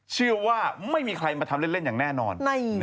เชื่อว่าไม่มีใครมาทำเล่นอย่างแน่นอน